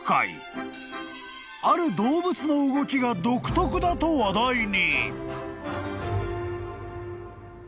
［ある動物の動きが独特だと話題に］